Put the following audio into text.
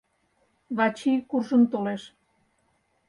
Вачий куржын толеш.